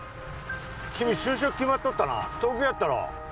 君就職決まっとったな東京やったろ？